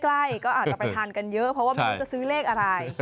ใกล้ก็อาจจะไปทานกันเยอะเพราะว่าไม่รู้จะซื้อเลขอะไร